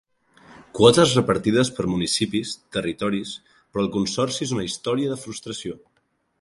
Quotes repartides per municipis, territoris… Però el consorci és una història de frustració.